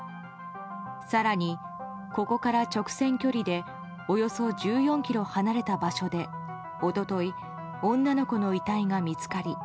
更にここから直線距離でおよそ１４ｋｍ離れた場所で一昨日、女の子の遺体が見つかり